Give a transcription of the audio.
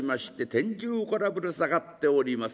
天井からぶら下がっております